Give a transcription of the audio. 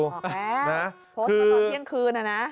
โพสต์ตอนเที่ยงคืนอะนะ